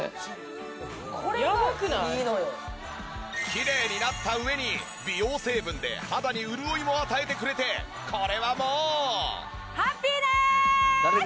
きれいになった上に美容成分で肌に潤いを与えてくれてこれはもう。